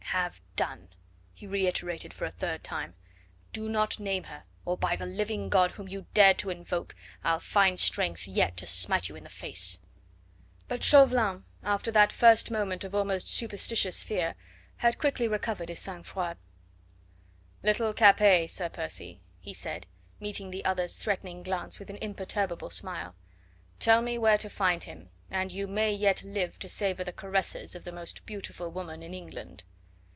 "Have done," he reiterated for the third time; "do not name her, or by the living God whom you dared to invoke I'll find strength yet to smite you in the face." But Chauvelin, after that first moment of almost superstitious fear, had quickly recovered his sang froid. "Little Capet, Sir Percy," he said, meeting the other's threatening glance with an imperturbable smile, "tell me where to find him, and you may yet live to savour the caresses of the most beautiful woman in England."